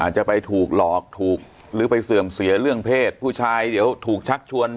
จะไปถูกหลอกถูกหรือไปเสื่อมเสียเรื่องเพศผู้ชายเดี๋ยวถูกชักชวน